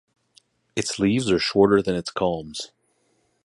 Its leaves are shorter than its culms.